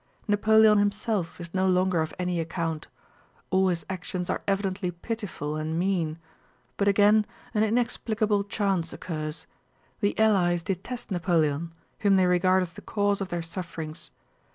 Napoleon himself is no longer of any account; all his actions are evidently pitiful and mean, but again an inexplicable chance occurs. The allies detest Napoleon whom they regard as the cause of their sufferings.